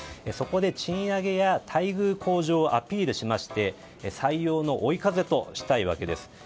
そこで賃上げや待遇向上をアピールしまして採用の追い風としたいわけです。